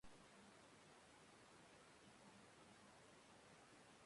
Kiski handian eta kaska txikian.